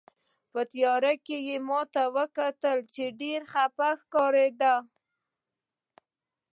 په تیارې کې یې ما ته کتل، چې ډېره خپه ښکارېده.